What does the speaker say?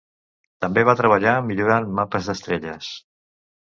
També va treballar millorant mapes d'estrelles.